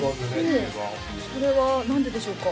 定番それは何ででしょうか？